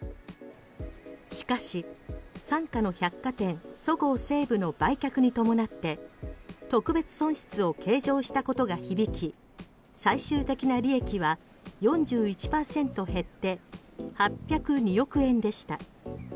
しかし、傘下の百貨店そごう・西武の売却に伴って特別損失を計上したことが響き最終的な利益は４１％減って８０２億円でした。